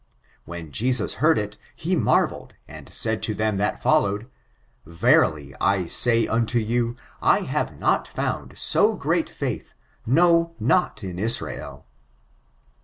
When Jesus heard it, he marvelled, and said to them that followed. Verily, I say unto you, I have not found so great faith, no, not in Israel."